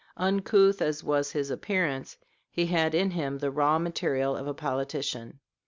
Uncouth as was his appearance, he had in him the raw material of a politician.